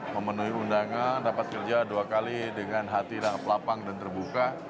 memenuhi undangan dapat kerja dua kali dengan hati yang pelapang dan terbuka